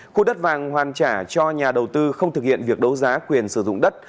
khu đất vàng hoàn trả cho nhà đầu tư không thực hiện việc đấu giá quyền sử dụng đất